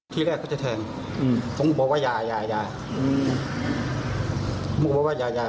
ทีแรกเขาจะแทงอืมผมบอกว่ายายายาอืมบอกว่ายายา